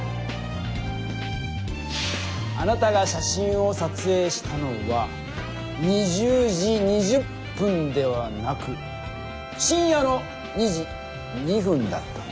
あなたが写真をさつえいしたのは２０時２０分ではなく深夜の２時２分だったんです。